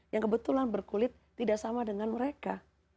yang kebetulan berkulit tidak sama dengan mereka